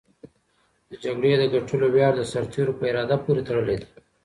د جګړې د ګټلو ویاړ د سرتېرو په اراده پورې تړلی دی.